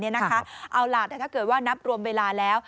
เอาล่ะแต่ถ้าเกิดว่านับรวมเวลาแล้ว